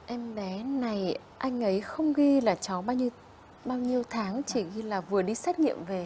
em bé này anh ấy không ghi là cháu bao nhiêu bao nhiêu tháng chỉ ghi là vừa đi xét nghiệm về